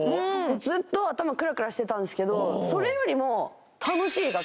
ずっと頭クラクラしてたんですけどそれよりもああそう？